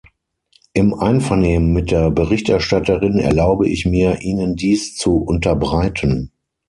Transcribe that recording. Im Einvernehmen mit der Berichterstatterin erlaube ich mir, Ihnen dies zu unterbreiten.